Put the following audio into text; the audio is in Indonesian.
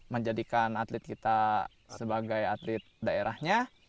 menjadikan atlet kita sebagai atlet daerahnya